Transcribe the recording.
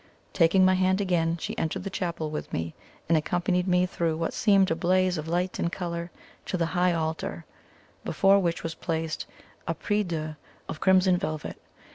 Taking my hand again, she entered the chapel with me, and accompanied me through what seemed a blaze of light and colour to the high altar, before which was placed a prie dieu of crimson velvet.